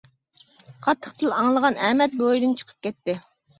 قاتتىق تىل ئاڭلىغان ئەمەت بۇ ئۆيدىن چىقىپ كەتتى.